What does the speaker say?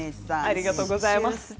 ありがとうございます。